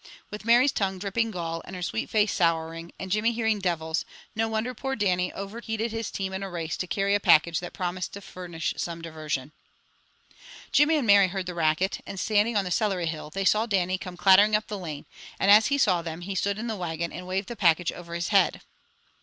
With Mary's tongue dripping gall, and her sweet face souring, and Jimmy hearing devils, no wonder poor Dannie overheated his team in a race to carry a package that promised to furnish some diversion. Jimmy and Mary heard the racket, and standing on the celery hill, they saw Dannie come clattering up the lane, and as he saw them, he stood in the wagon, and waved the package over his head.